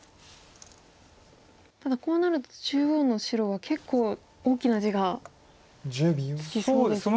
ただこうなると中央の白は結構大きな地がつきそうですね。